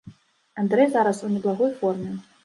Андрэй зараз у неблагой форме.